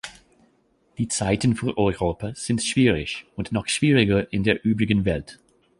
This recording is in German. Die Zeiten für Europa sind schwierig und noch schwieriger in der übrigen Welt.